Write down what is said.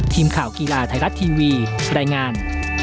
ทีมข่าวกีฬาไทยรัฐทีวีรายงาน